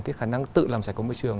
cái khả năng tự làm sạch của môi trường